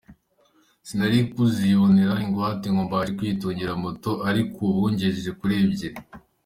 Sinari kuzibonera ingwate ngo mbashe kwitungira moto ariko ubu ngejeje kuri ebyiri.